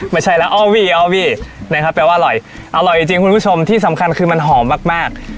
ไม่ใช่แล้วอ้อวี่อพี่นะครับแปลว่าอร่อยอร่อยจริงคุณผู้ชมที่สำคัญคือมันหอมมาก